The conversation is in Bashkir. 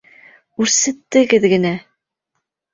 Үрсеттегеҙ генә!